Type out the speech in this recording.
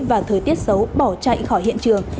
và thời tiết xấu bỏ chạy khỏi hiện trường